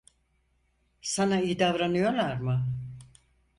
Sana iyi davranıyorlar mı?